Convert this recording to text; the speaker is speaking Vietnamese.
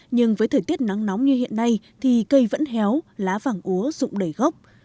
nhưng với thời tiết nắng nóng như hiện nay thì cây vẫn héo lá vàng úa rụng đầy gốc